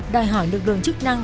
đại hỏi lực lượng chức năng